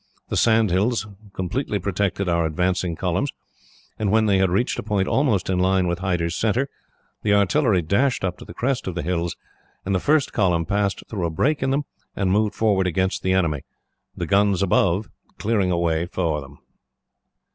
The sand hills completely protected our advancing columns, and when they had reached a point almost in line with Hyder's centre, the artillery dashed up to the crest of the hills, and the first column passed through a break in them, and moved forward against the enemy, the guns above clearing a way for them.